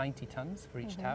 untuk setiap atas